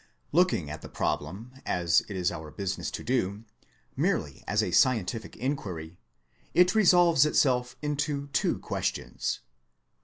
Looking at the problem, as it is our business to do, merely as a scientific inquiry, it resolves itself into two questions.